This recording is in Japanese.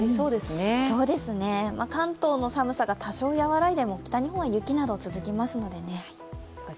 関東の寒さが多少和らいでも北日本は雪など続きますので。